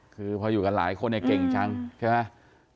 คือพออยู่กันหลายคนเนี่ยเก่งจังใช่ไหม